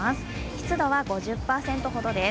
湿度は５０％ほどです。